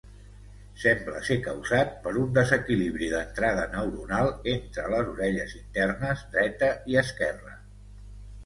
Sembla ser causat per un desequilibri d'entrada neuronal entre les orelles internes dreta i esquerra.